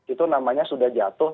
itu namanya sudah jatuh